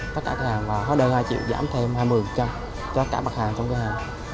tất cả cửa hàng và hóa đơn hai triệu giảm thêm hai mươi cho tất cả bạc hàng trong cửa hàng